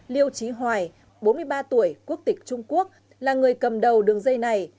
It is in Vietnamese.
liêu trí hoài bốn mươi ba tuổi quốc tịch trung quốc là người cầm đầu đường dây này